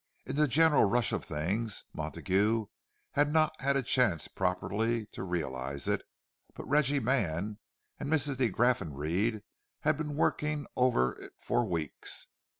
In the general rush of things Montague had not had a chance properly to realize it; but Reggie Mann and Mrs. de Graffenried had been working over it for weeks.